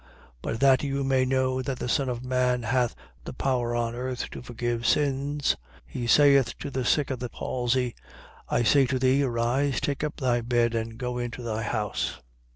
5:24. But that you may know that the Son of man hath the power on earth to forgive sins (he saith to the sick of the palsy), I say to thee to: Arise, take up thy bed and go into thy house.